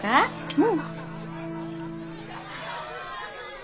うん。